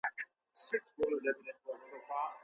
په لاس لیکل د تخلیقي فکر کچه لوړوي.